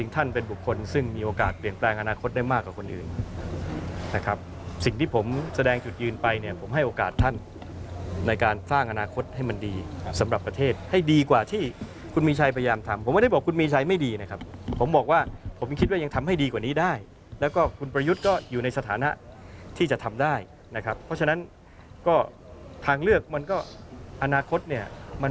ทางเลือกมันก็อนาคตเนี่ยมันไม่แน่นอนอยู่แล้วนะครับ